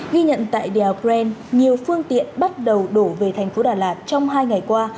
ghi nhận tại đèo bren nhiều phương tiện bắt đầu đổ về thành phố đà lạt trong hai ngày qua